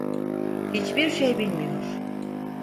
Hiçbir şey bilmiyor.